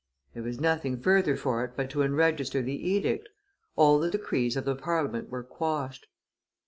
There was nothing further for it but to enregister the edict; all the decrees of the Parliament were quashed.